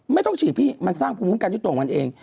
ไม่ต้องฉีดพี่มันสร้างภูมิคุ้มกันด้วยตัวของมันเอง